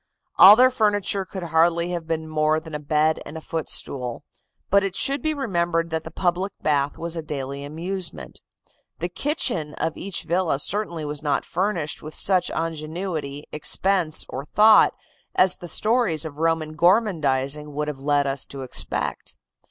All their furniture could hardly have been more than a bed and a footstool; but it should be remembered that the public bath was a daily amusement. The kitchen of each villa certainly was not furnished with such ingenuity, expense or thought as the stories of Roman gormandising would have led us to expect.